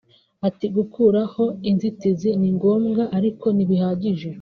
Ati “Gukuraho inzitizi ni ngombwa ariko ntibihagije